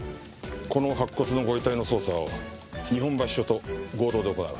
この白骨のご遺体の捜査を日本橋署と合同で行う。